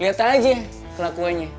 lihat aja kelakuannya